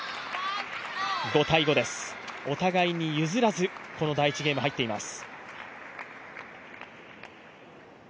お互いに譲らずこの第１ゲーム入っています。